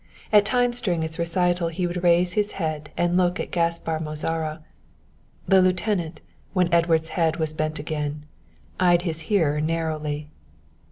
At times during its recital he would raise his head and look at Gaspar Mozara. The lieutenant, when Edward's head was bent again, eyed his hearer narrowly.